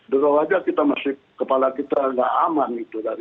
dekat wajah kita masih kepala kita tidak aman